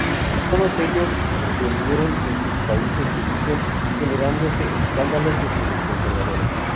Todos ellos sorprendieron en sus países de origen, generándose escándalos entre los conservadores.